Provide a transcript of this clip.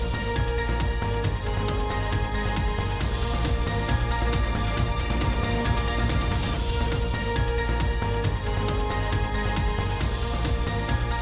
โปรดติดตามตอนต่อไป